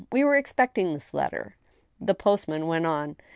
We were expecting this letter." The postman went on.